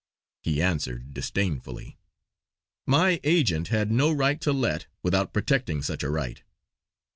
He answered disdainfully: "My agent had no right to let, without protecting such a right."